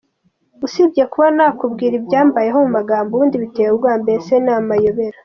Usibye kuba nakubwira ibyambayeho mu magambo ubundi biteye ubwoba, mbese ni amayobera.